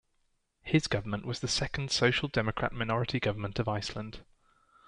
His government was the second Social Democrat minority government of Iceland.